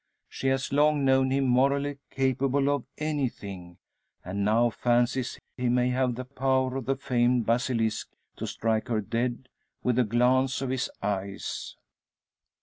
She has long known him morally capable of anything, and now fancies he may have the power of the famed basilisk to strike her dead with a glance of his eyes!